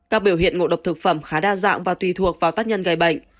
các biểu hiện ngộ độc thực phẩm khá đa dạng và tùy thuộc vào tác nhân gây bệnh